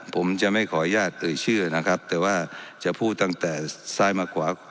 ผมจะไม่ขออนุญาตเอ่ยเชื่อนะครับแต่ว่าจะพูดตั้งแต่ซ้ายมาขวา